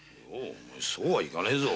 そうはいかねぇぞ。